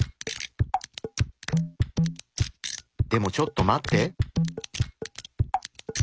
でもちょっと待って。